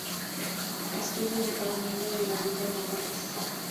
Estudio de Fernando de la Villa Nogales.